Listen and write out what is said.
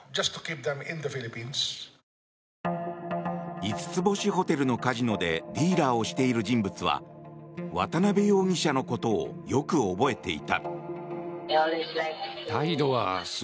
５つ星ホテルのカジノでディーラーをしている人物は渡邉容疑者のことをよく覚えていた。